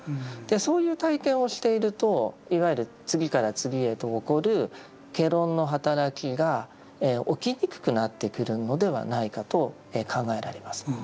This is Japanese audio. そういう体験をしているといわゆる次から次へと起こる戯論の働きが起きにくくなってくるのではないかと考えられます。